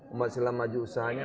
umat islam maju usahanya